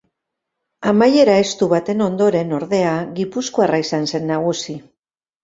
Amaiera estu baten ondoren, ordea, gipuzkoarra izan zen nagusi.